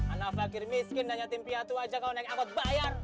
anak fakir miskin danya tim piatu aja kala naik angkot bayar